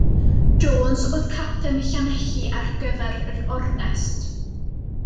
Jones oedd capten Llanelli ar gyfer yr ornest.